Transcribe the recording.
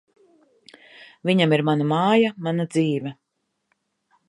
Viņam ir mana māja, mana dzīve.